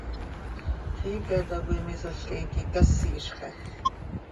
¡Xiica tacoi mísolca iiqui cásizxaj!